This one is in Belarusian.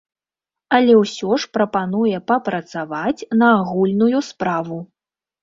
Але ўсё ж прапануе папрацаваць на агульную справу.